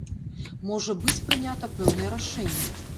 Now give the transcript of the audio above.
Можа быць прынята пэўнае рашэнне.